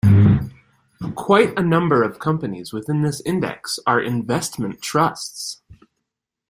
Quite a number of companies within this index are investment trusts.